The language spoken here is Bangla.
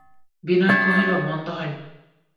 বিনয় কহিল, মন্দ হয় নি।